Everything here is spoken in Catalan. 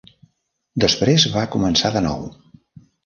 Després va començar de nou.